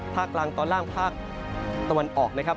ภาคกลางตอนล่างภาคตะวันออกนะครับ